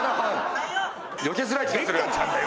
よけづらい気がする！